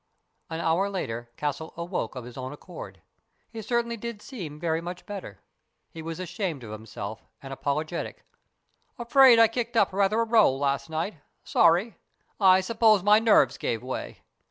An hour later Castle awoke of his own accord. He certainly did seem very much better. He was ashamed of himself and apologetic. "Afraid I kicked up rather a row last night. Sorry. I suppose my nerves gave way.